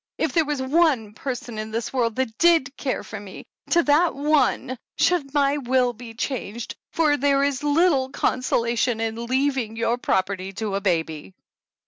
If there was one person in this world that did care for me, to that one should my will 66 THE ANNALS OF ANN be changed, for there is little consolation in leaving your property to a baby."